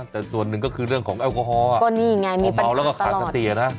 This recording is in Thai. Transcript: แต่ส่วนหนึ่งก็คือเรื่องของแอลกอฮอล์อ่ะก็นี่ไงมีปัญหาตลอดผมเมาแล้วก็ขาดสติอ่ะนะ